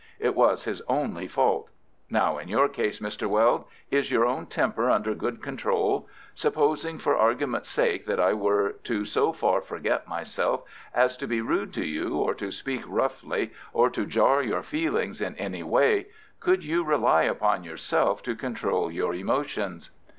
It was his only fault. Now, in your case, Mr. Weld, is your own temper under good control? Supposing for argument's sake that I were to so far forget myself as to be rude to you or to speak roughly or to jar your feelings in any way, could you rely upon yourself to control your emotions?"